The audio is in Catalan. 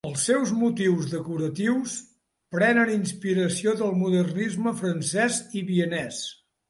Els seus motius decoratius prenen inspiració del modernisme francès i vienès.